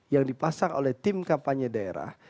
yang dipasang oleh tim kampanye daerah